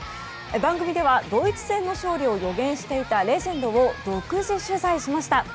番組ではドイツ戦の勝利を予言していたレジェンドを独自取材しました。